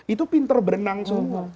itu pintar berenang semua